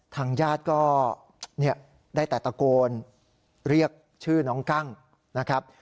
ทางญาติก็ได้แต่ตะโกนเรียกชื่อน้องกั้งนะครับ